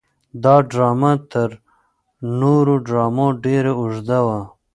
دا ډرامه تر نورو ډرامو ډېره اوږده وه.